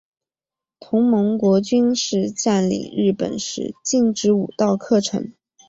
同盟国军事占领日本时禁止武道课程。